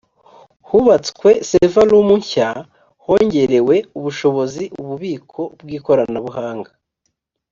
hubatswe server room nshya hongerewe ubushobozi ububiko bw ikoranabuhanga